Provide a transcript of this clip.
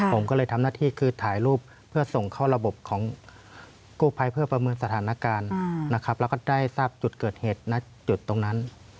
ผมก็เลยทำหน้าที่คือถ่ายรูปเพื่อส่งเข้าระบบของกู้ภัยเพื่อประเมินสถานการณ์นะครับแล้วก็ได้ทราบจุดเกิดเหตุณจุดตรงนั้น